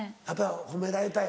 褒められたい？